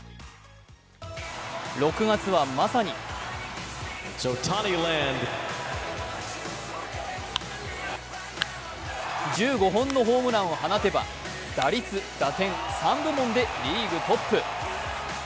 ６月は、まさに１５本のホームランを放てば、打率、打点３部門でリーグトップ。